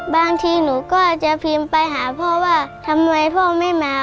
บางทีหนูก็จะพิมพ์ไปหาพ่อว่าทำไมพ่อไม่มา